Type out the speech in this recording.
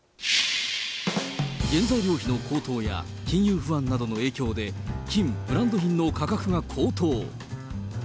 原材料費の高騰や金融不安などの影響で、金、ブランド品の価格が高騰。